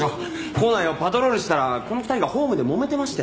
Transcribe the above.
構内をパトロールしてたらこの２人がホームでもめてまして。